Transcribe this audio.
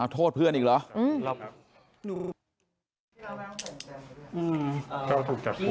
โทษเพื่อนอีกเหรอ